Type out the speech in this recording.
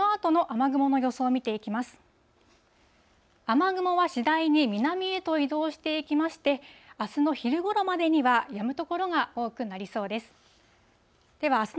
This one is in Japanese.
雨雲は次第に南へと移動していきまして、あすの昼ごろまでには、やむ所が多くなりそうです。